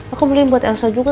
aku beli buat elsa juga